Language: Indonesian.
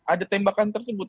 ada tembakan tersebut